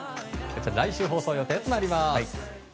来週放送予定となります。